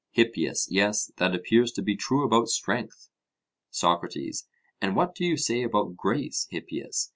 HIPPIAS: Yes, that appears to be true about strength. SOCRATES: And what do you say about grace, Hippias?